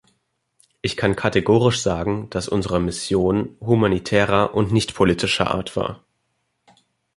Ich kann kategorisch sagen, dass unsere Mission humanitärer und nicht politischer Art war.